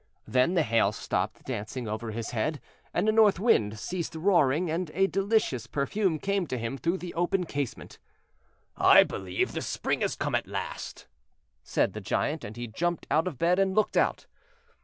Then the Hail stopped dancing over his head, and the North Wind ceased roaring, and a delicious perfume came to him through the open casement. "I believe the Spring has come at last," said the Giant; and he jumped out of bed and looked out.